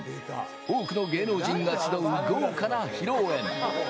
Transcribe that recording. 多くの芸能人が集う豪華な披露宴。